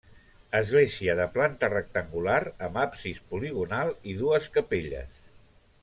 Església de planta rectangular amb absis poligonal i dues capelles.